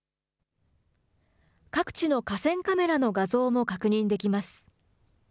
各地の河川カメラの画像も確認できます。